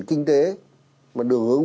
kinh tế và đường hướng